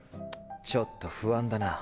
ちょっと不安だな。